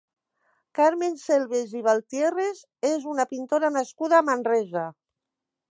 Carmen Selves i Baltiérrez és una pintora nascuda a Manresa.